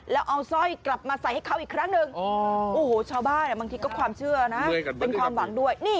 แล้วเอาซอยกลับมาใส่ให้เขาอีกครั้งหนึ่ง